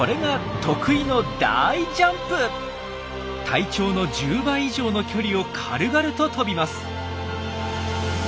体長の１０倍以上の距離を軽々ととびます。